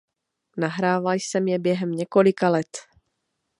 Nahrával jsem je během několika let.